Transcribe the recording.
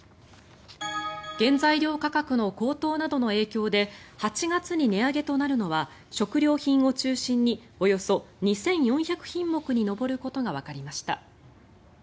原材料価格の高騰などの影響で８月に値上げとなるのは食料品を中心におよそ２４００品目に上ることがわかりました。